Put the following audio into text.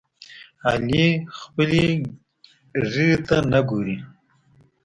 علي خپلې ګیرې ته نه ګوري.